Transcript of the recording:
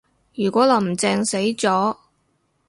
如果林鄭死咗